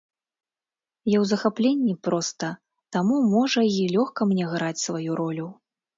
Я ў захапленні проста, таму, можа, й лёгка мне граць сваю ролю.